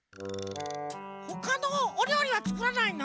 ほかのおりょうりはつくらないの？